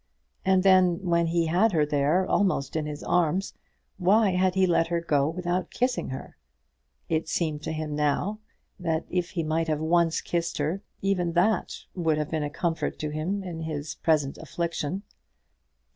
And then, when he had her there, almost in his arms, why had he let her go without kissing her? It seemed to him now that if he might have once kissed her, even that would have been a comfort to him in his present affliction.